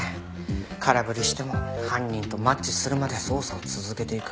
空振りしても犯人とマッチするまで捜査を続けていく。